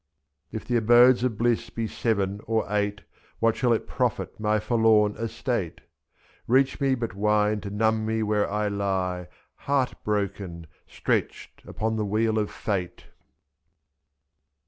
If the abodes of bliss be seven or eight. What shall it profit my forlorn estate? 2/^. Reach me but wine to numb me where I lie Heart broken, stretched upon the wheel of Fate.